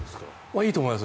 いいと思います。